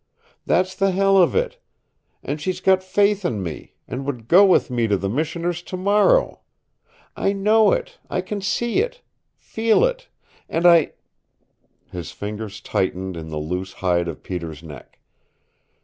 That's the hell of it! And she's got faith in me, and would go with me to the Missioner's tomorrow. I know it. I can see it, feel it, and I " His fingers tightened in the loose hide of Peter's neck.